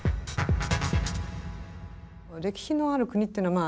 歴史のある国っていうのはまあ